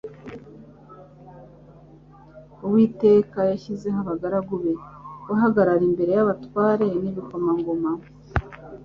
Uwiteka yashyizeho abagaragu be guhagarara imbere y'abatware n'ibikomangoma,